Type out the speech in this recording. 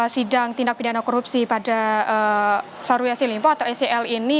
sidang tindak pidana korupsi pada syahrul yassin limpo atau sel ini